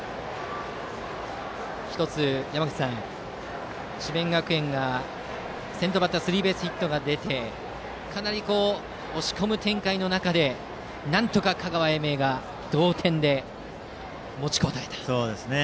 １つ、智弁学園が先頭バッタースリーベースヒットが出てかなり押し込む展開の中でなんとか香川・英明が同点で持ちこたえましたね。